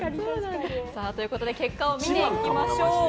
結果を見ていきましょう。